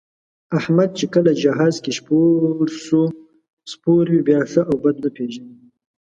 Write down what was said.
احمد چې کله جهاز کې سپور وي، بیا ښه او بد نه پېژني.